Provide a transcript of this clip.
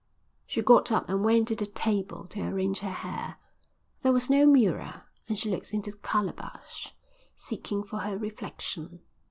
She got up and went to the table to arrange her hair. There was no mirror and she looked into the calabash, seeking for her reflection.